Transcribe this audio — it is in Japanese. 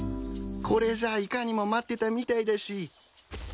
これじゃいかにも待ってたみたいだし。